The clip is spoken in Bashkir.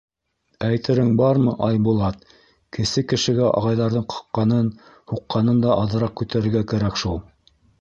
Әйтерең бармы, Айбулат, кесе кешегә ағайҙарҙың ҡаҡҡанын, һуҡҡанын да аҙыраҡ күтәрергә кәрәк шул.